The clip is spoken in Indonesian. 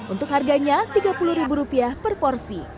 untuk harganya tiga puluh ribu rupiah per porsi